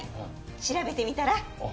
調べてみたら。